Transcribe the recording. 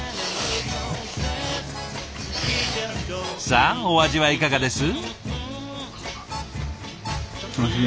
さあお味はいかがです？